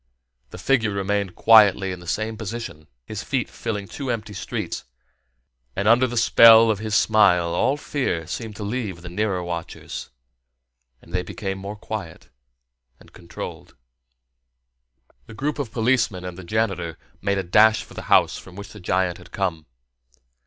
The figure remained quietly in the same position, his feet filling two empty streets, and under the spell of his smile all fear seemed to leave the nearer watchers, and they became more quiet and controlled. The group of policemen and the janitor made a dash for the house from which the giant had come.